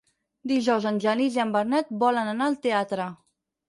Dijous en Genís i en Bernat volen anar al teatre.